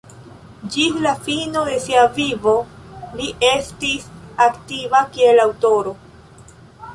Ĝis la fino de sia vivo, li estis aktiva kiel aŭtoro.